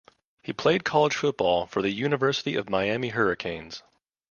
He played college football for the University of Miami Hurricanes.